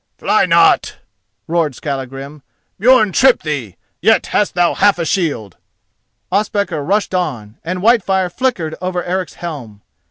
"Fly not!" roared Skallagrim. "Björn tripped thee. Yet hast thou half a shield!" Ospakar rushed on, and Whitefire flickered over Eric's helm.